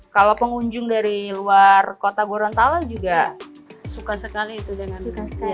kalau pengunjung dari luar kota gorontalo juga suka sekali itu dengan kafe